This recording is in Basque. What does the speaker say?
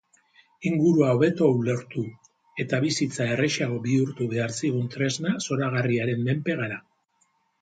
Ingurua hobeto ulertu eta bizitza errazagoa bihurtu behar zigun tresna zoragarriaren menpe gara.